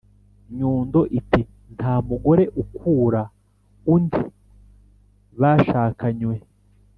nyundo iti: “nta mugore ukura undi bashakanywe!”